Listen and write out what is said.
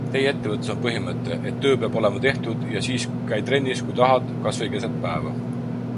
Teie ettevõttes on põhimõte, et töö peab olema tehtud ja siis käi trennis, kui tahad, kasvõi keset päeva.